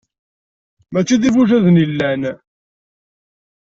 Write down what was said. Mačči d-ibujaden i yellan.